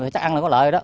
chắc ăn là có lợi đó